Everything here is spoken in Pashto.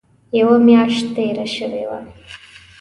یوه میاشت تېره شوې وه.